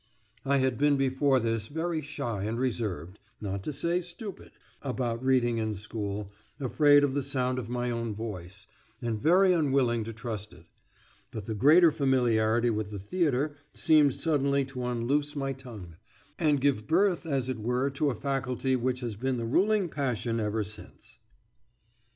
I had been before this very shy and reserved, not to say stupid, about reading in school, afraid of the sound of my own voice, and very unwilling to trust it; but the greater familiarity with the theatre seemed suddenly to unloose my tongue, and give birth as it were to a faculty which has been the ruling passion ever since.